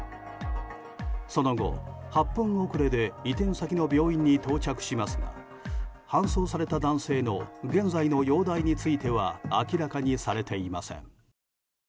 その後、８分遅れで移転先の病院に到着しますが搬送された男性の現在の容体については明らかにされていません。